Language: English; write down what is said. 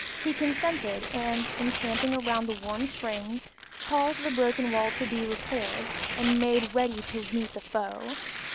He consented, and encamping around the warm springs, caused the broken wall to be repaired, and made ready to meet the foe.